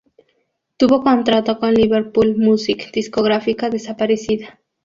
Tuvo contrato con Liverpool Music, discográfica desaparecida.